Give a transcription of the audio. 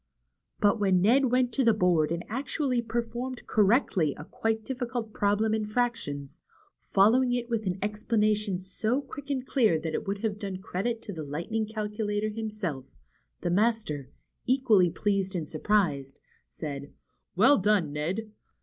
But when Ned went to the board and actually per formed correctly a quite difficult problem in fractions, following it with an explanation so quick and clear that it would have done credit to the Lightning Cal culator himself, the master, equally pleased and surprised, said : ^'^Well done, Ned!